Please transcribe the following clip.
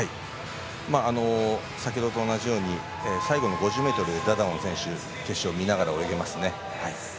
先ほどと同じように最後の５０ｍダダオン選手決勝も見ながら泳ぎますね。